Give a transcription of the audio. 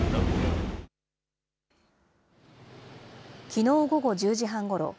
きのう午後１０時半ごろ。